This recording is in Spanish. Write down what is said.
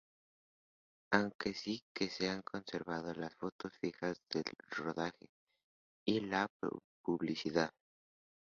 Aunque sí que se han conservado las fotos fijas del rodaje y la publicidad.